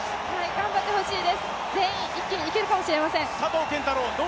頑張ってほしいです、全員一気にいけるかもしれません。